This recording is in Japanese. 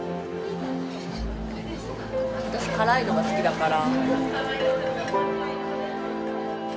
私辛いのが好きだから。